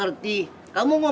terima kasih pak joko